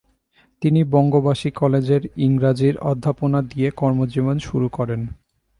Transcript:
তিনি বঙ্গবাসী কলেজের ইংরাজীর অধ্যাপনা দিয়ে কর্মজীবন শুরু করেন।